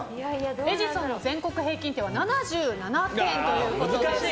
「エジソン」の全国平均点は７７点ということです。